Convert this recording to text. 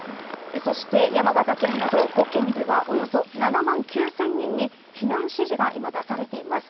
そして山形県など５県ではおよそ７万９０００人に避難指示が出されています。